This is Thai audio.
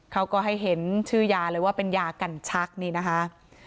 เขาก็ให้เห็นชื่อยาเลยว่าเป็นยากันชักนี่นะคะ